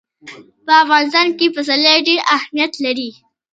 په افغانستان کې پسرلی ډېر اهمیت لري.